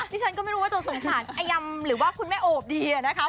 ฉันก็ไม่รู้ว่าจะสงสารอายำหรือว่าคุณแม่โอบดีนะคะ